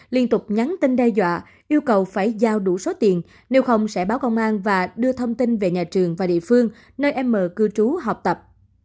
liên tục nhắn tin đe dọa yêu cầu phải giao đủ số tiền nếu không sẽ báo công an và đưa thông tin về nhà trường và địa phương nơi em m cư trú học tập